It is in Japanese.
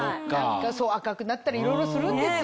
赤くなったりいろいろするんですよね。